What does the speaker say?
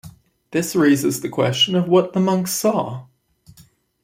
This raises the question of what the monks saw.